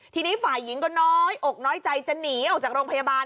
ทีนี้ฝ่ายหญิงก็น้อยอกน้อยใจจะหนีออกจากโรงพยาบาล